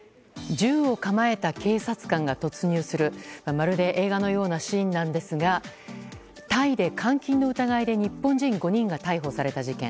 銃を構えた警察官が突入するまるで映画のようなシーンなんですがタイで、監禁の疑いで日本人５人が逮捕された事件。